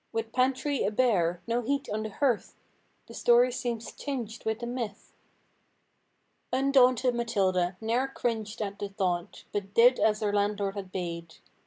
With pantry a bare; no heat on the hearth— (The story seems tinged with the myth.) Undaunted Matilda—ne'er cringed at the thought. But did as her landlord had bade.